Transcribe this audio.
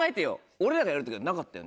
俺らがやる時はなかったよね？